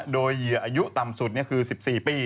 โดยเหยื่ออายุต่ำสุดคือ๑๔ปี